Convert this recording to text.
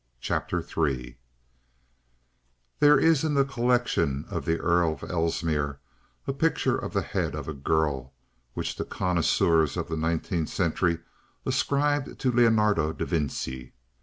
CHAPTER III There is in the collection of the Earl of Ellesmere a picture of the head of a girl which the connoisseurs of the nineteenth century ascribed to Leonardo da Vinci.